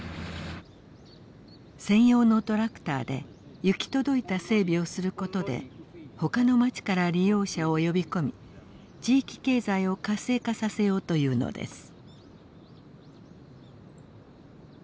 専用のトラクターで行き届いた整備をすることでほかの町から利用者を呼び込み地域経済を活性化させようというのです。